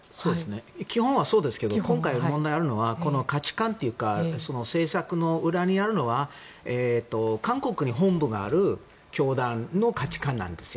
基本はそうですが今回、問題があるのはこの価値観というか政策の裏にあるのは韓国に本部がある教団の価値観なんです。